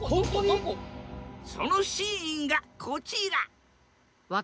そのシーンがこちら！